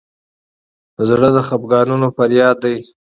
زړه د خفګانونو فریاد دی.